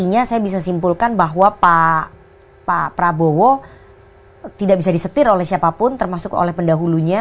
artinya saya bisa simpulkan bahwa pak prabowo tidak bisa disetir oleh siapapun termasuk oleh pendahulunya